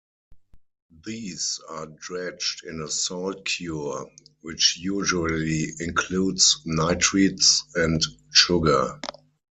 These are dredged in a salt cure, which usually includes nitrites and sugar.